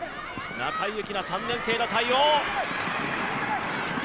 中井佑姫奈３年生の対応。